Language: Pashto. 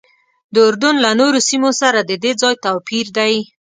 د اردن له نورو سیمو سره ددې ځای توپیر دی.